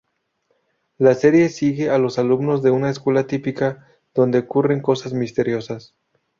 La serie sigue a los alumnos de una escuela típica, donde ocurren cosas misteriosas.